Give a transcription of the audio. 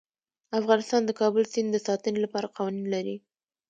افغانستان د کابل سیند د ساتنې لپاره قوانین لري.